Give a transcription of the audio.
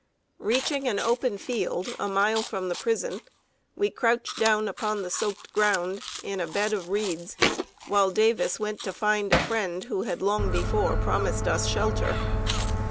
Reaching an open field, a mile from the prison, we crouched down upon the soaked ground, in a bed of reeds, while Davis went to find a friend who had long before promised us shelter.